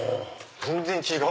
全然違う！